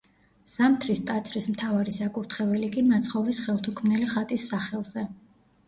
ზამთრის ტაძრის მთავარი საკურთხეველი კი მაცხოვრის ხელთუქმნელი ხატის სახელზე.